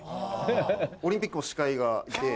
オリンピックも司会がいて。